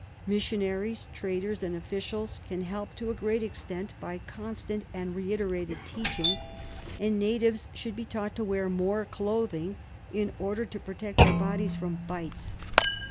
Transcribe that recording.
Missionaries, traders and officials can help to a great extent by constant and reiterated teaching, and natives should be taught to wear more clothing in order to protect their bodies from bites.